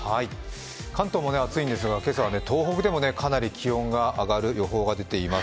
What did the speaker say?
関東も暑いんですが、今朝は東北でもかなり気温が上がる予報が出ています。